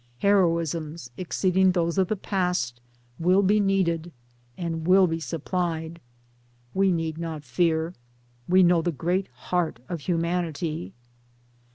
Heroisms, exceed ing those of the past, will be needed and will 1 be supplied. We need not fear. Wfe know the great heart of humanity.